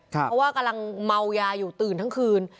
เพราะว่ากำลังเมายาอยู่ตื่นทั้งคืน